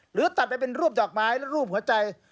หรือตัดไปเป็นรูปดอกไม้และรูปหัวใจ